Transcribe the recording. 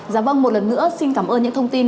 dạ vâng một lần nữa xin cảm ơn những thông tin